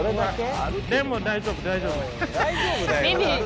でも大丈夫大丈夫。